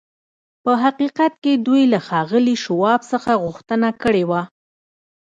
په حقیقت کې دوی له ښاغلي شواب څخه غوښتنه کړې وه